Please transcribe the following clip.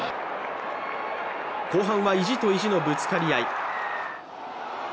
後半は意地と意地のぶつかり合い。